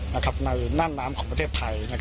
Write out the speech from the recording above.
ในน่านน้ำของประเทศไทย